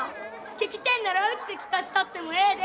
聴きてえんならうちで聴かせたってもええで。